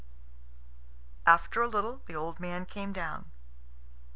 After a little the old man came down.